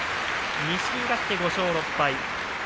錦木、勝って５勝６敗。